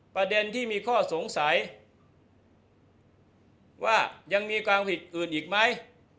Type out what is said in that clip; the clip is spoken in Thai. ประเด็นที่มีข้อสงสัยว่ายังมีความผิดอื่นอีกไหม